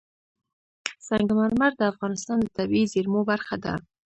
سنگ مرمر د افغانستان د طبیعي زیرمو برخه ده.